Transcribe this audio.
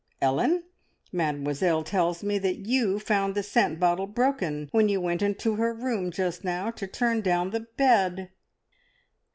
Ellen, Mademoiselle tells me that you found the scent bottle broken when you went into her room just now to turn down the bed!"